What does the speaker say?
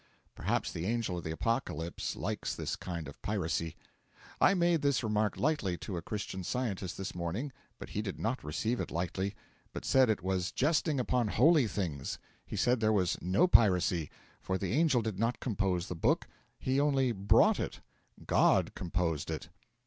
Perhaps the Angel of the Apocalypse likes this kind of piracy. I made this remark lightly to a Christian Scientist this morning, but he did not receive it lightly, but said it was jesting upon holy things; he said there was no piracy, for the angel did not compose the book, he only brought it 'God composed it.'